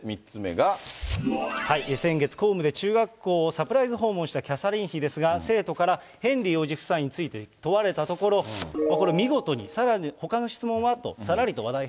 先月公務で、中学校をサプライズ訪問したキャサリン妃ですが、生徒からヘンリー王子夫妻に問われたところ、見事に、さらにほかの質問は？